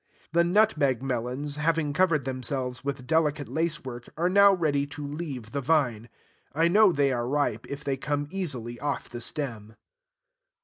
The nutmeg melons, having covered themselves with delicate lace work, are now ready to leave the vine. I know they are ripe if they come easily off the stem.